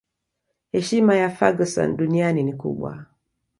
heshima ya Ferguson duniani ni kubwa